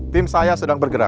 tim saya sedang bergerak